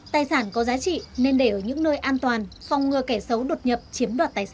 tài sản có giá trị nên để ở những nơi an toàn phòng ngừa kẻ xấu đột nhập chiếm đoạt tài sản